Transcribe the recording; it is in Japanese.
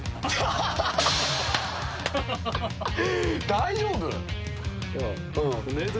大丈夫？